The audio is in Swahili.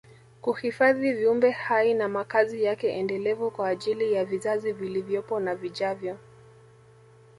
kuhifadhi viumbe hai na makazi yake endelevu kwa ajili ya vizazi vilivyopo na vijavyo